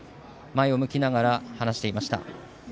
前を向きながら話していました。